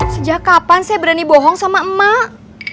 sejak kapan saya berani bohong sama emak